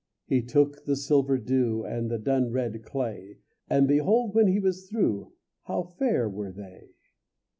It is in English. He took the silver dew And the dun red clay, And behold when he was through How fair were they!